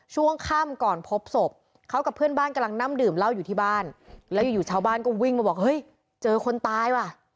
ช่วงค่ำก่อนพบศพเขากับเพื่อนบ้านกำลังนั่งดื่มเหล้าอยู่ที่บ้านแล้วอยู่ชาวบ้านก็วิ่งมาบอกเฮ้ยเจอคนตายว่ะ